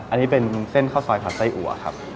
อันนี้เป็นเส้นข้าวซอยผัดไส้อัวครับ